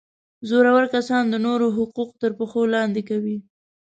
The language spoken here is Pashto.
زورور کسان د نورو حقوق تر پښو لاندي کوي.